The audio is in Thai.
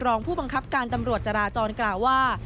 รองผู้บังคับการตำรวจจราจรกล่าวว่า